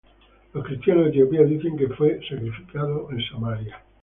Los cristianos de Etiopía dicen que fue crucificado en Samaria.